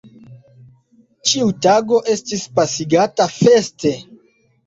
Ĉiu tago estis pasigata feste.